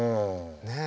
ねえ。